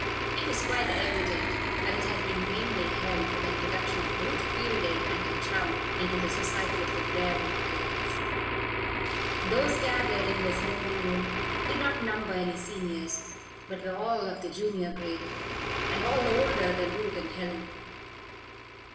It was quite evident that it had been mainly held for the introduction of Ruth Fielding and her chum into the society of the Briarwood girls. Those gathered in the assembly room did not number any Seniors, but were all of the Junior grade, and all older than Ruth and Helen.